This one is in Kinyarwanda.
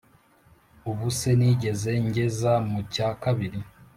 ubuse nigeze ngeza mu cya kabiri